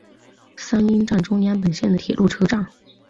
三鹰站中央本线的铁路车站。